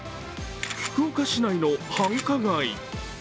福岡市内の繁華街。